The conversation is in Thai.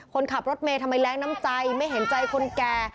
คนขับรถเมย์ทำไมแรงน้ำใจไม่เห็นใจคนแก่